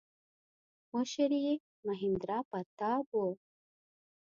مشر یې مهیندراپراتاپ و.